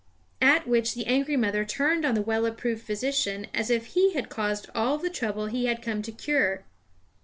At which the angry mother turned on the well approved physician as if he had caused all the trouble that he had come to cure.